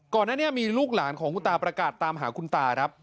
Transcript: ก่อนนั้นมีลูกหลานของคุณตาประกาศตามหาคุณตา